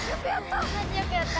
よくやった。